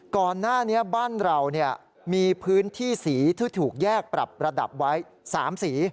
ก่อนหน้านี้บ้านเรามีพื้นที่สีที่ถูกแยกปรับระดับไว้๓สี